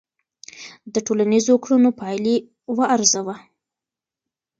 د ټولنیزو کړنو پایلې وارزوه.